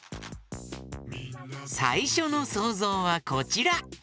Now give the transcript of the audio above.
さいしょのそうぞうはこちら。